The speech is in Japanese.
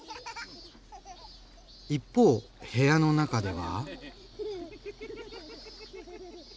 一方部屋の中では？